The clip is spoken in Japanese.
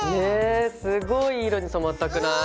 すごいいい色に染まったくない？